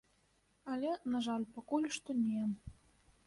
Але, на жаль, пакуль што не.